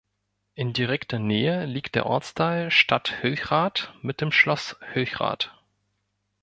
In direkter Nähe liegt der Ortsteil Stadt Hülchrath mit dem Schloss Hülchrath.